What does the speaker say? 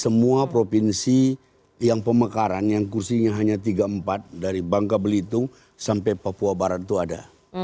semua provinsi yang pemekaran yang kursinya hanya tiga empat dari bangka belitung sampai papua barat itu ada